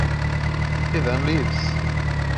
He then leaves.